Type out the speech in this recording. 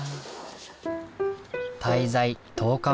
滞在１０日目。